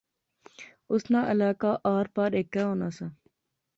اس ناں علاقہ آر پار ہیکے ہونا سا